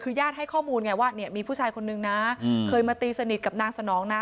คือญาติให้ข้อมูลไงว่าเนี่ยมีผู้ชายคนนึงนะเคยมาตีสนิทกับนางสนองนะ